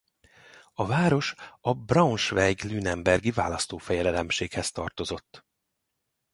A város a Braunschweig-Lüneburgi Választófejedelemséghez tartozott.